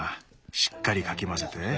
しっかりかき混ぜて。